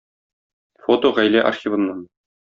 Фото гаилә архивыннан